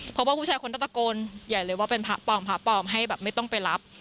เพราะว่าผู้ชายคนตะโกนใหญ่เลยว่าเป็นพระปลอมให้ไม่ต้องไปรับ